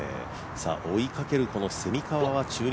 追いかける蝉川は中日